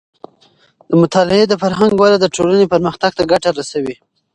د مطالعې د فرهنګ وده د ټولنې پرمختګ ته ګټه رسوي.